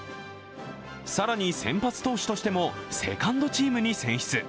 更に、先発投手としてもセカンドチームに選出。